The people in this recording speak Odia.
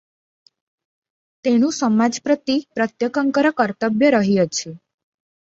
ତେଣୁ ସମାଜ ପ୍ରତି ପ୍ରତ୍ୟେକଙ୍କର କର୍ତ୍ତବ୍ୟ ରହିଅଛି ।